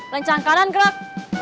lancang kanan gerak